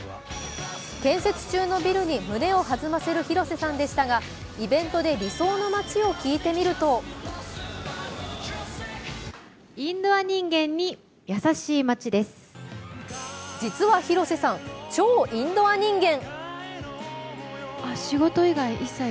建設中のビルに胸を弾ませる広瀬さんでしたがイベントで理想の街を聞いてみると実は広瀬さん、超インドア人間。